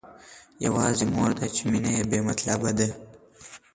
يوازې مور ده چې مينه يې بې مطلبه ده.